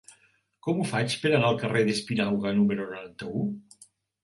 Com ho faig per anar al carrer d'Espinauga número noranta-u?